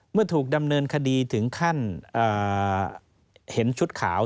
เมื่อถูกดำเนินคดีถึงขั้นเห็นชุดขาว